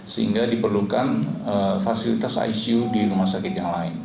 sehingga diperlukan fasilitas icu di rumah sakit yang lain